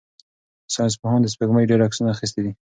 ساینس پوهانو د سپوږمۍ ډېر عکسونه اخیستي دي.